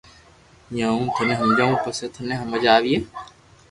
يا ھون ٿني ھمجاوُ پسي ٿني ھمج آوئي